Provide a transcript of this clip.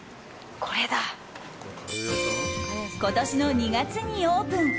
今年の２月にオープン。